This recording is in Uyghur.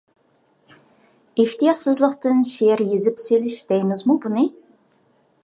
ئېھتىياتسىزلىقتىن شېئىر يېزىپ سېلىش دەيمىزمۇ بۇنى؟ !